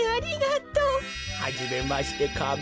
はじめましてカメ。